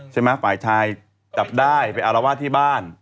ใช่ไหมฝ่ายชายจับได้ไปอารวาสที่บ้าน